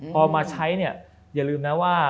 พอมาใช้อย่าลืมนะว่า